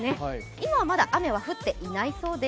今はまだ雨は降っていないそうです。